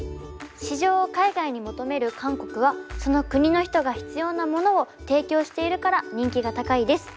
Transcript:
市場を海外に求める韓国はその国の人が必要なものを提供しているから人気が高いです。